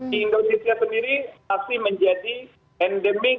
di indonesia sendiri masih menjadi endemik